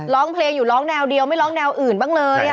ร้องเพลงอยู่ร้องแนวเดียวไม่ร้องแนวอื่นบ้างเลย